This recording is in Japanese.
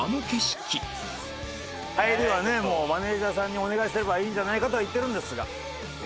帰りはもうマネージャーさんにお願いすればいいんじゃないかとは言ってるんですが。